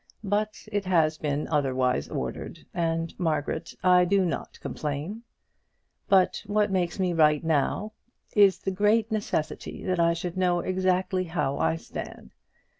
But it has been otherwise ordered, and, Margaret, I do not complain. But what makes me write now is the great necessity that I should know exactly how I stand.